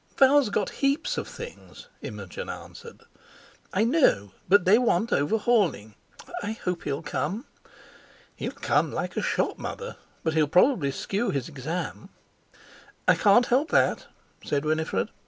"Val's got heaps of things," Imogen answered. "I know; but they want overhauling. I hope he'll come." "He'll come like a shot, Mother. But he'll probably skew his Exam." "I can't help that," said Winifred.